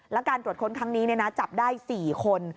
แล้วการตรวจค้นครั้งนี้จับได้๔คน